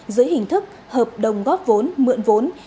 dưới hình thức hợp đồng góp vốn mượn vốn